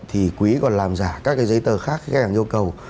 thì quý còn làm giả các cái giấy tờ khác khách hàng yêu cầu